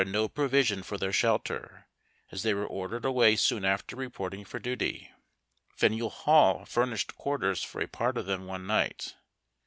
45 no provision for their shelter, as they were ordered away soon after reporting for duty. Faneuil Hall furnished quar ters for a part of them one niijht.